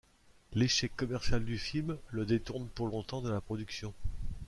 L'échec commercial du film le détourne pour longtemps de la production.